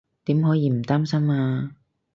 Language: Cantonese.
點可以唔擔心啊